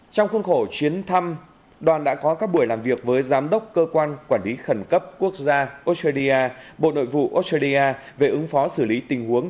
trong khuôn khổ chuyến thăm đoàn đã có các buổi làm việc với giám đốc cơ quan quản lý khẩn cấp quốc gia australia bộ nội vụ australia về ứng phó xử lý tình huống